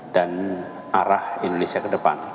arah indonesia ke depan